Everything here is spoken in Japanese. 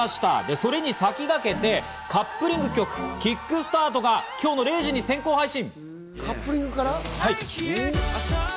それに先駆けてカップリング曲『ＫｉｃｋＳｔａｒｔ』が今日の０時に先行配信！